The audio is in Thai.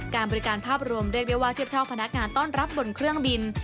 การบริการภาพรวมเรียกได้ว่าเทียบเท่าพนักงานต้อนรับบนเครื่องบิน